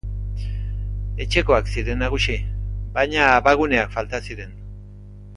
Etxekoak ziren nagusi, baina abaguneak falta ziren.